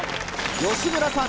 吉村さん